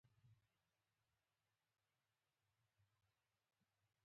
ارزښتناک او پرتمین اثار یې جوړ نه کړل.